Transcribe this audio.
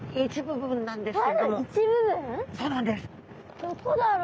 どこだろう？